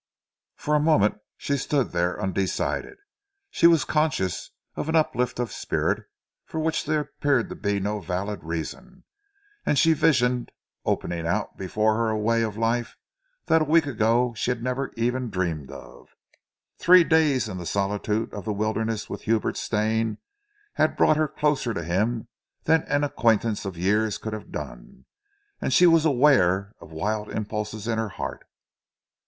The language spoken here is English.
For a moment she stood there undecided. She was conscious of an uplift of spirit for which there appeared no valid reason, and she visioned opening out before her a way of life that a week ago she had never even dreamed of. Three days in the solitude of the wilderness with Hubert Stane had brought her closer to him than an acquaintance of years could have done, and she was aware of wild impulses in her heart.